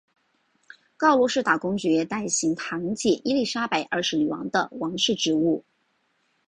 告罗士打公爵代行堂姐伊利莎伯二世女王的王室职务。